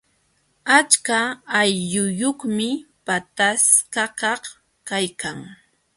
Achka aychayuqmi pataskakaq kaykan.